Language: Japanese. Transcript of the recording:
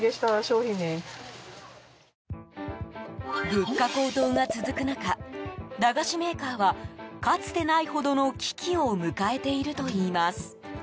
物価高騰が続く中駄菓子メーカーはかつてないほどの危機を迎えているといいます。